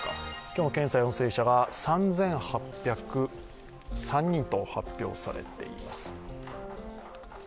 今日の検査陽性者が３８０３人と発表されています。